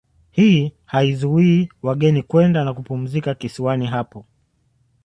Hii haizuii wageni kwenda na kupumzika kisiwani hapo